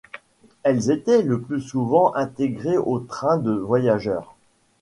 Elles étaient le plus souvent intégrées aux trains de voyageurs.